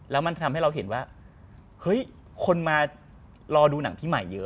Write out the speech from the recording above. แล้วมันทำให้เราเห็นว่าเฮ้ยคนมารอดูหนังพี่ใหม่เยอะ